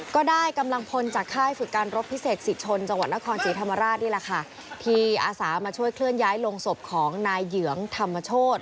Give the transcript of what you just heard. ก็ได้กำลังพลจากค่ายฝึกการรบพิเศษศิษชนจังหวัดนครศรีธรรมราชนี่แหละค่ะที่อาสามาช่วยเคลื่อนย้ายลงศพของนายเหยืองธรรมโชธ